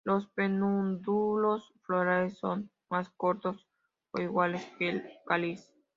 Los pedúnculos florales son más cortos o iguales que el cáliz.